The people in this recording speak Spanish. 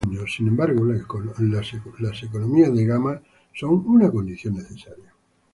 Sin embargo, las economías de gama son una condición necesaria.